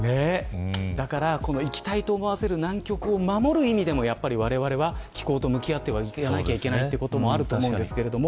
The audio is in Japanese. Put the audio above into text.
だから、行きたいと思わせる南極を守る意味でもわれわれは気候と向き合っていかなきゃいけないということもあると思います。